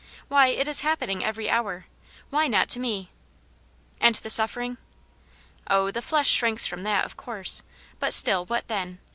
Why, it is hap pening every hour ; why not to me ?"*' And the suffering ?"" Oh, the flesh shrinks from that, of course. But still, what then